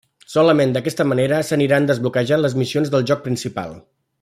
Solament d'aquesta manera, s'aniran desbloquejant les missions del joc principal.